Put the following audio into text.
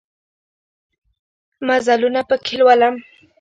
مزلونه پکښې لولم